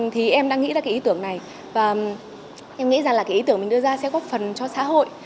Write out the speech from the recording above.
thì em đang nghĩ ra cái ý tưởng này và em nghĩ rằng là cái ý tưởng mình đưa ra sẽ góp phần cho xã hội